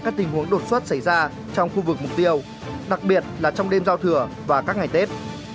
các tình huống đột xuất xảy ra trong khu vực mục tiêu đặc biệt là trong đêm giao thừa và các ngày tết